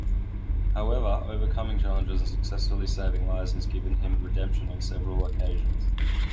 However, overcoming challenges and successfully saving lives has given him redemption on several occasions.